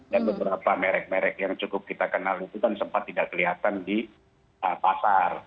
dan beberapa merek merek yang cukup kita kenal itu kan sempat tidak kelihatan di pasar